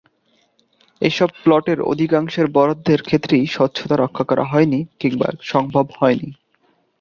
এসব প্লটের অধিকাংশের বরাদ্দের ক্ষেত্রেই স্বচ্ছতা রক্ষা করা হয়নি কিংবা সম্ভব হয়নি।